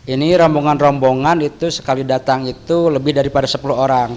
ini rombongan rombongan itu sekali datang itu lebih daripada sepuluh orang